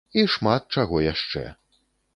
І шмат чаго яшчэ.